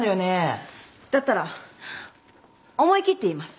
だったら思い切って言います。